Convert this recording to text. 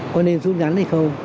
có nên rút ngắn hay không